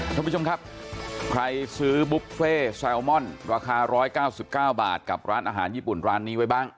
ท่านผู้ชมครับใครซื้อบุฟเฟ่แซลมอนราคา๑๙๙บาทกับร้านอาหารญี่ปุ่นร้านนี้ไว้บ้าง